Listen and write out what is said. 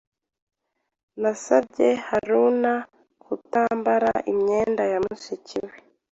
Nasabye Haruna kutambara imyenda ya mushiki we.